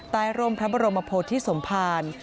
ร่มพระบรมโพธิสมภาร